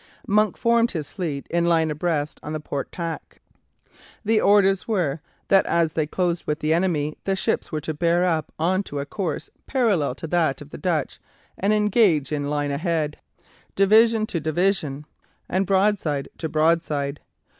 Monk formed his fleet in line abreast on the port tack. The orders were that as they closed with the enemy the ships were to bear up on to a course parallel to that of the Dutch and engage in line ahead, division to division and broadside to broadside.